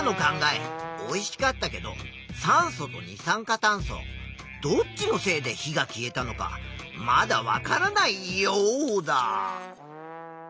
おいしかったけど酸素と二酸化炭素どっちのせいで火が消えたのかまだわからないヨウダ。